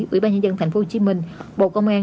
ủy ban nhân dân tp hcm bộ công an